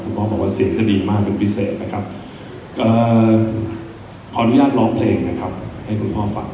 พ่อบอกว่าเสียงจะดีมากเป็นพิเศษนะครับขออนุญาตร้องเพลงนะครับให้คุณพ่อฟัง